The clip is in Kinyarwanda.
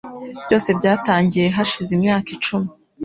Byose byatangiye hashize imyaka icumi